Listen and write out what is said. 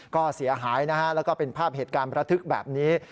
ก็เสียหายนะฮะแล้วก็เป็นภาพเหตุการณ์ประทึกแบบนี้